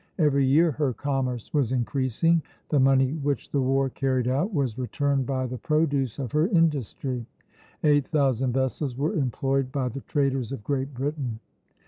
Every year her commerce was increasing; the money which the war carried out was returned by the produce of her industry. Eight thousand vessels were employed by the traders of Great Britain."